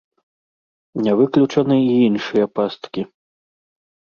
Не выключаны і іншыя пасткі.